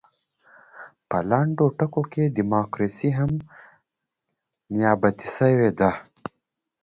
په لنډو ټکو کې ډیموکراسي هم نیابتي شوې ده.